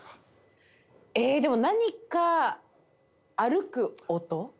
でも何か歩く音？